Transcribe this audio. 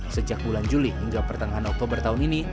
sejak bulan juli hingga pertengahan oktober tahun ini